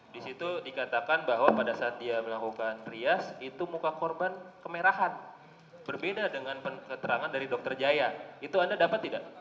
di situ dikatakan bahwa pada saat dia melakukan rias itu muka korban kemerahan berbeda dengan keterangan dari dokter jaya itu anda dapat tidak